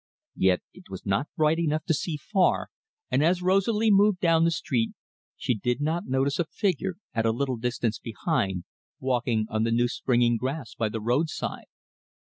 Yet it was not bright enough to see far, and as Rosalie moved down the street she did not notice a figure at a little distance behind, walking on the new springing grass by the roadside.